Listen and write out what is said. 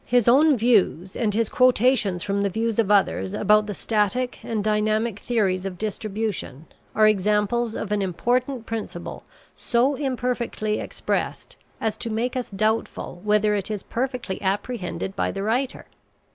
His own views and his quotations from the views of others about the static and dynamic theories of distribution are examples of an important principle so imperfectly expressed as to make us doubtful whether it is perfectly apprehended by the writer.